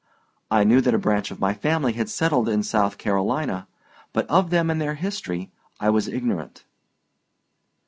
I knew that a branch of my family had settled in South Carolina, but of them and their history I was ignorant.